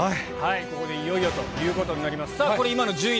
ここでいよいよということになります。